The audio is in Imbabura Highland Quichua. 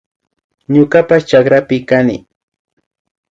Ñukapashmi chakrapi kani